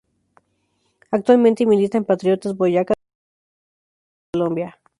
Actualmente milita en Patriotas Boyacá de la Categoría Primera A de Colombia.